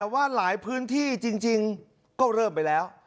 แต่ว่าหลายพื้นที่จริงก็เริ่มไปแล้ว